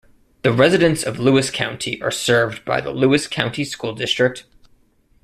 The residents of Lewis County are served by the Lewis County School District.